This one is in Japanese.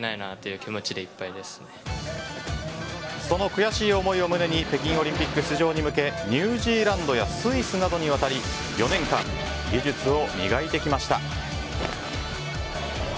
その悔しい思いを胸に北京オリンピック出場に向けニュージーランドやスイスなどに渡り４年間、技術を磨いてきました。